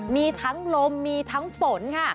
มีทั้งลมมีทั้งฝนค่ะ